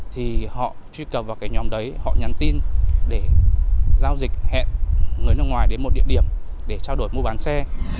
thì họ truy cập vào cái nhóm đấy họ nhắn tin để giao dịch hẹn người nước ngoài đến một địa điểm để trao đổi mua bán xe